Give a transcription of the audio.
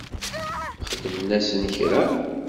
Xedmen-asen kra?